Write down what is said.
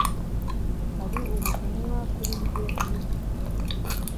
Hari ubutumwa kuri njye muri iki gitondo?